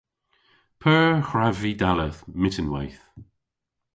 P'eur hwrav vy dalleth myttinweyth?